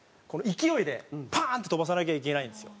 勢いでパーン！って飛ばさなきゃいけないんですよ。